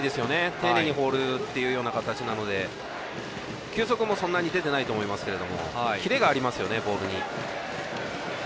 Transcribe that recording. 丁寧に放るというような形なので球速もそんなに出てないと思いますけれどもキレがありますね、ボールに。